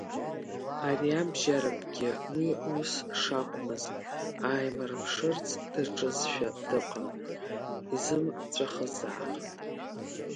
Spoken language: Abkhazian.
Ариабжьаракгьы уи ус шакәмыз ааимырԥшырц даҿызшәа дыҟан, изымҵәахызаарын.